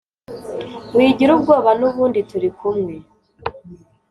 Wigira ubwoba nubundi turi kumwe